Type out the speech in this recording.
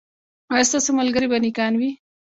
ایا ستاسو ملګري به نیکان وي؟